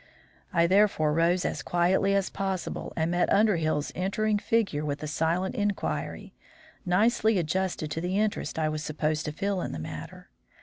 I therefore rose as quietly as possible and met Underhill's entering figure with a silent inquiry, nicely adjusted to the interest I was supposed to feel in the matter.